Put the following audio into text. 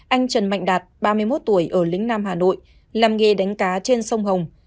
anh trần mạnh đạt ba mươi một tuổi ở lĩnh nam hà nội làm nghề đánh cá trên sông hồng